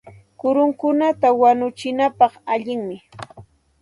Uchpaqa hachapa kurunkunata wanuchinapaq allinmi.